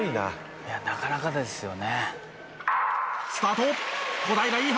「いやなかなかですよね」